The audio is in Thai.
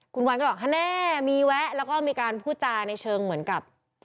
คุณวันก็บอกฮะแน่มีแวะแล้วก็มีการพูดจาในเชิงเหมือนกับ